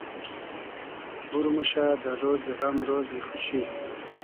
بور موشۂ دۂ رۉزی غئم رۉزی خوشی